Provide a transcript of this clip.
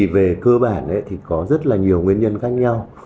về cơ bản thì có rất là nhiều nguyên nhân khác nhau